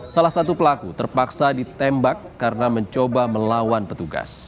salah satu pelaku terpaksa ditembak karena mencoba melawan petugas